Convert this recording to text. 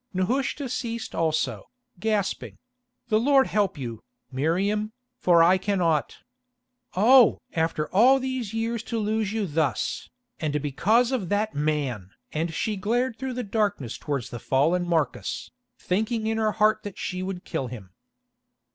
Nehushta ceased also, gasping: "The Lord help you, Miriam, for I cannot. Oh! after all these years to lose you thus, and because of that man!" and she glared through the darkness towards the fallen Marcus, thinking in her heart that she would kill him.